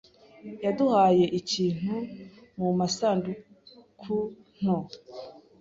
yaduhaye ikintu mumasanduku nto.